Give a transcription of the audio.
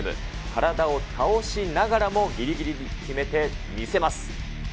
体を倒しながらもぎりぎりに決めて見せます。